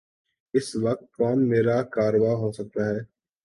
اس وقت کون میر کارواں ہو سکتا ہے؟